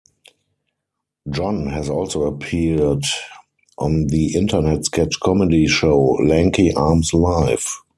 John has also appeared on the internet sketch comedy show Lanky Arms Live.